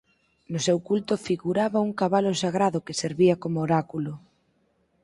No seu culto figuraba un cabalo sagrado que servía como oráculo.